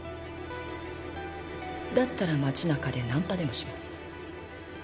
だったら町なかでナンパでもします。